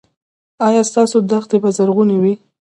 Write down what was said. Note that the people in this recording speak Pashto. ایا ستاسو دښتې به زرغونې وي؟